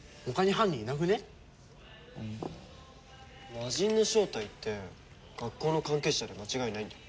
魔人の正体って学校の関係者で間違いないんだろ？